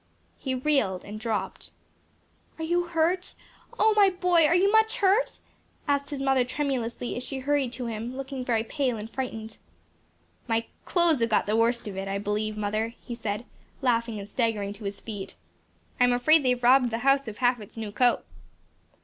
He reeled and dropped. "Are you hurt? oh, my boy, are you much hurt?" asked his mother tremulously, as she hurried to him, looking very pale and frightened. "My clothes have got the worst of it, I believe, mother," he said, laughing and staggering to his feet. "I'm afraid they've robbed the house of half its new coat."